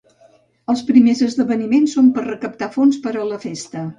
Els primers esdeveniments són per recaptar fons per a la festa.